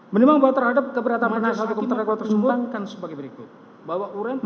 menimbang bahwa terhadap keberatan penasihat hukum terdakwa tersebut